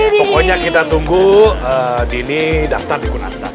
pokoknya kita tunggu dini daftar di kunanta ya